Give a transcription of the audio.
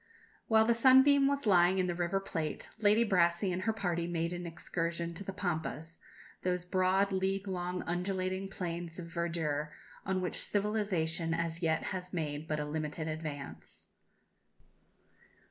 While the Sunbeam was lying in the River Plate, Lady Brassey and her party made an excursion to the Pampas, those broad, league long undulating plains of verdure, on which civilization as yet has made but a limited advance.